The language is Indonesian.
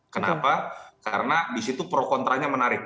kenapa karena disitu pro kontranya menarik